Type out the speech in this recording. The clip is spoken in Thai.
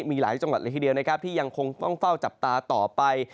มีหลายจังหวัดที่ยังคงต้องเฝ้าจับตาต่อไป